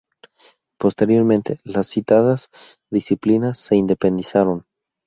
Posteriormente, las citadas disciplinas se independizaron.